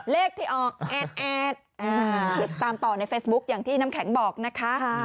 เลขที่ออก๑๑ตามต่อในเฟซบุ๊คอย่างที่น้ำแข็งบอกนะคะ